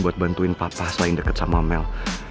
buat bantuin papa selain deket sama mel